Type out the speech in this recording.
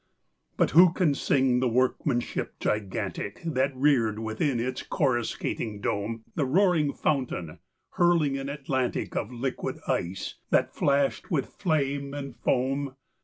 II But who can sing the workmanship gigantic That reared within its coruscating dome The roaring fountain, hurling an Atlantic Of liquid ice that flashed with flame and foam?